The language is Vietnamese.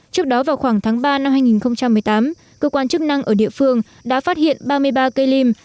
trước đó vào khoảng tháng ba năm hai nghìn một mươi tám cơ quan chức năng ở địa phương đã phát hiện ba mươi ba cây lim